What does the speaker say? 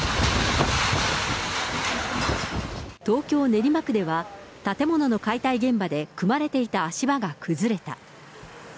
東京・練馬区では、建物の解体現場で組まれていた足場が崩れた。